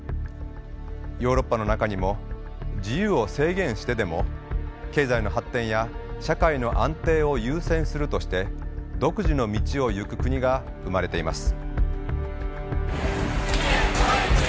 ヨーロッパの中にも自由を制限してでも「経済の発展や社会の安定を優先する」として独自の道を行く国が生まれています。